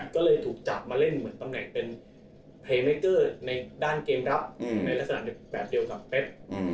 ในลักษณะเด็กแปดเดียวกับเป๊บ